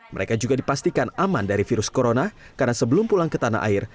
mereka juga dipastikan aman dari virus corona karena sebelum pulang ke tanah air